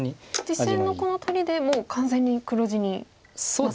実戦のこの取りでもう完全に黒地になったと？